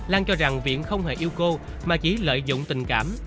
lan cho rằng viện không hề yêu cô mà chỉ lợi dụng tình cảm